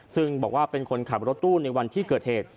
ซึ่งบอกว่าเป็นคนขับรถตู้ในวันที่เกิดเหตุ